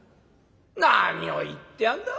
「何を言ってやんだ